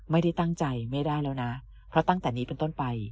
ไม่ได้ตั้งใจไม่ได้แล้วนะเพราะตั้งแต่นี้เป็นต้นไป